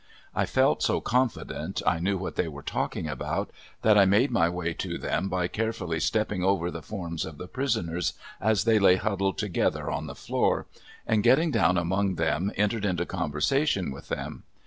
I felt so confident I knew what they were talking about that I made my way to them by carefully stepping over the forms of the prisoners as they lay huddled together on the floor, and getting down among them entered into conversation with them.